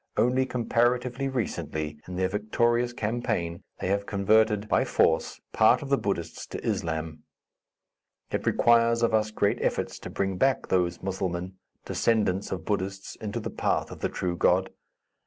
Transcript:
Only comparatively recently, in their victorious campaign, they have converted, by force, part of the Buddhists to Islam. It requires of us great efforts to bring back those Musselmen, descendants of Buddhists, into the path of the true God.